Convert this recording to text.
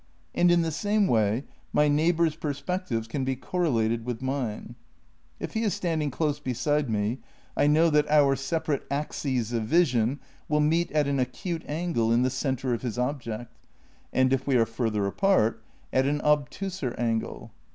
And in the same way my neighbour's perspectives can be correlated with mine. If he is standing close beside me I know that our 256 THE NEW IDEAI^ISM vn separate axes of vision will meet at an acute angle in the centre of his object, and if we are further apart, at an obtuser angle.